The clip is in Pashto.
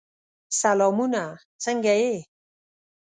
سلامونه! څنګه یې؟